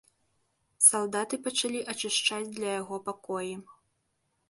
Салдаты пачалі ачышчаць для яго пакоі.